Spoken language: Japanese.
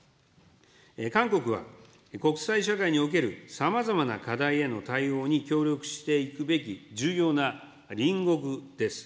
韓国は、国際社会におけるさまざまな課題への対応に協力していくべき重要な隣国です。